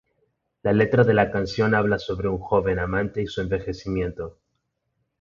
La letra de la canción habla sobre un joven amante y su envejecimiento.